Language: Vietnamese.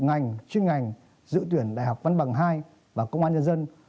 ngành chuyên ngành dự tuyển đại học văn bằng hai và công an nhân dân